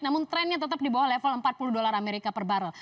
namun trennya tetap di bawah level empat puluh dolar amerika per barrel